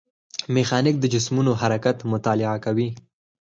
میخانیک د جسمونو حرکت مطالعه کوي.